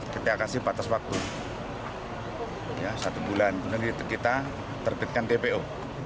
kita kasih batas waktu satu bulan kemudian kita terbitkan dpo